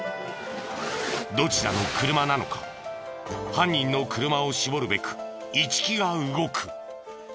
どちらの車なのか犯人の車を絞るべく一木が動く！